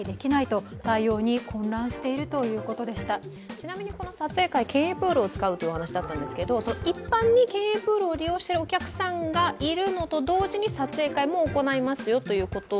ちなみにこの撮影会、県営プールを使うというお話だったんですけど、一般に県営プールを利用しているお客さんがいるのと同時に撮影会も行いますよということ？